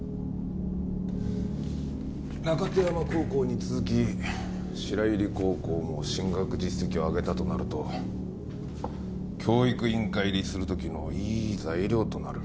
中手山高校に続き白百合高校も進学実績を上げたとなると教育委員会入りするときのいい材料となる。